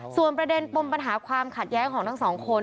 ส่วนประเด็นปมปัญหาความขัดแย้งของทั้งสองคน